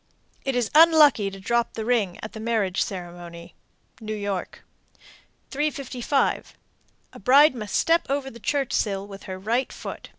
It is unlucky to drop the ring at the marriage ceremony. New York. 355. A bride must step over the church sill with her right foot.